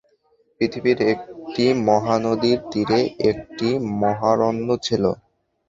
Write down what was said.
পৃথিবীর একটি মহানদীর তীরে একটি মহারণ্য ছিল।